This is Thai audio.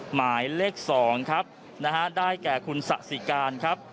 หมายเลขสองครับได้แก่คุณสศรีการครับ